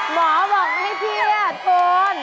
หมอบอกให้เทียดทน